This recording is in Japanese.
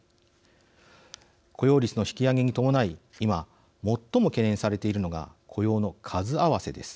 雇用率の引き上げに伴い今最も懸念されているのが雇用の数合わせです。